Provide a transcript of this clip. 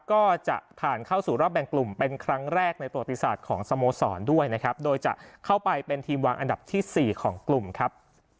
ก็จะผ่านเข้าสู่รอบแบ่งกลุ่มเป็นครั้งแรกในปลวงอภิษฐาสของสโมโสรด้วยนะครับ